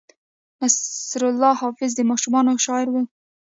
نصرالله حافظ د ماشومانو شاعر و.